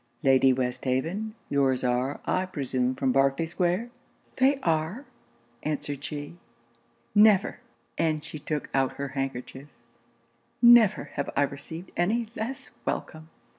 Lady Westhaven, your's are, I presume, from Berkley square?' 'They are,' answered she. 'Never,' and she took out her handkerchief 'never have I received any less welcome!'